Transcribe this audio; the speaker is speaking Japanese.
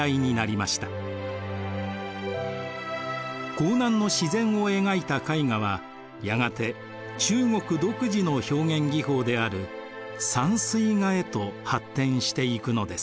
江南の自然を描いた絵画はやがて中国独自の表現技法である山水画へと発展していくのです。